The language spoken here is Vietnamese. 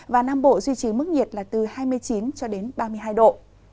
và nam bộ duy trì mức nhiệt là từ hai mươi chín cho đến ba mươi hai độ